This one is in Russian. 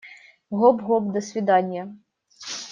Гоп-гоп, до свиданья!